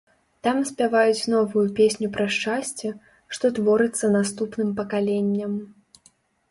Там спяваюць новую песню пра шчасце, што творыцца наступным пакаленням.